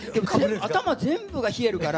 頭全部が冷えるから。